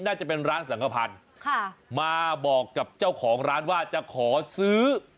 น่าจะเป็นร้านสังขพันธ์ค่ะมาบอกกับเจ้าของร้านว่าจะขอซื้อ